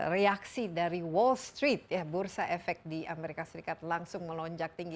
reaksi dari wall street ya bursa efek di amerika serikat langsung melonjak tinggi